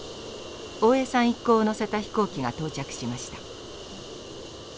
一行を乗せた飛行機が到着しました。